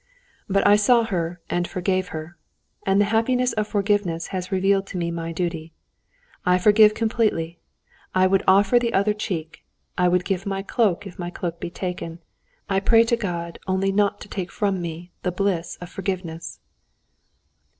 "But I saw her and forgave her. And the happiness of forgiveness has revealed to me my duty. I forgive completely. I would offer the other cheek, I would give my cloak if my coat be taken. I pray to God only not to take from me the bliss of forgiveness!"